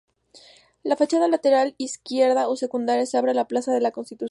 La fachada lateral izquierda o secundaria, se abre a la plaza de la Constitución.